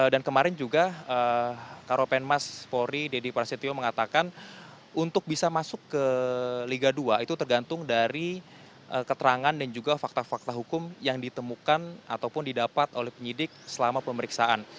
dan kemarin juga karopemas polri dedy prasetyo mengatakan untuk bisa masuk ke liga dua itu tergantung dari keterangan dan juga fakta fakta hukum yang ditemukan ataupun didapat oleh penyidik selama pemeriksaan